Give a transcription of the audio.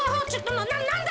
あななんだ？